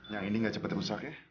yang ini nggak cepat rusak ya